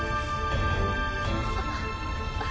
あっ！